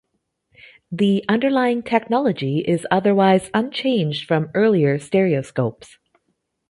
The underlying technology is otherwise unchanged from earlier stereoscopes.